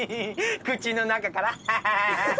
口の中からハハハハハ！